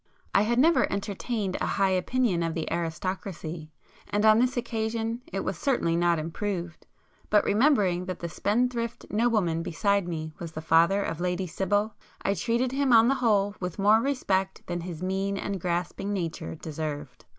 I had never entertained a high opinion of the aristocracy, and on this occasion it was certainly not improved, but remembering that the spendthrift nobleman beside me was the father of Lady Sibyl, I treated him on the whole with more respect than his mean and grasping nature deserved.